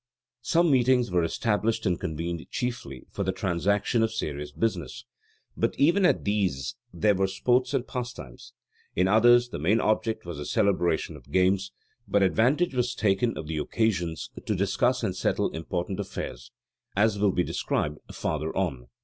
Some meetings were established and convened chiefly for the transaction of serious business: but even at these there were sports and pastimes: in others the main object was the celebration of games: but advantage was taken of the occasions to discuss and settle important affairs, as will be described farther on.